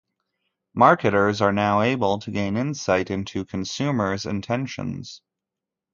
Marketers are now able to gain insight into consumers' intentions.